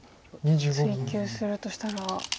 追及するとしたら。